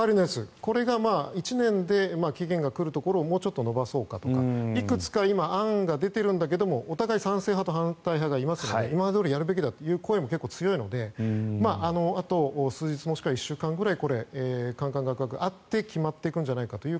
これが１年で期限が来るところをもうちょっと延ばそうかとかいくつか案が出てるんだけどお互い賛成派と反対派がいますので今まで通りやるべきだという声も結構強いのであと数日、もしくは１週間ぐらい侃侃諤諤あって決まっていくんじゃないかという。